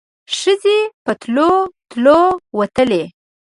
ښځې په تلو تلو وتلې.